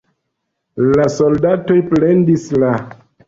La soldatoj plendis La.